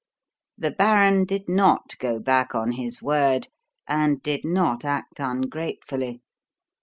The baron did not go back on his word and did not act ungratefully.